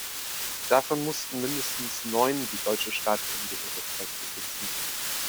Davon mussten mindestens neun die deutsche Staatsangehörigkeit besitzen.